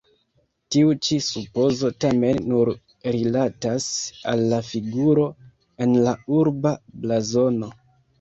Tiu ĉi supozo tamen nur rilatas al la figuro en la urba blazono.